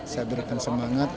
saya berikan semangat